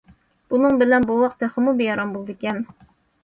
بۇنىڭ بىلەن بوۋاق تېخىمۇ بىئارام بولىدىكەن.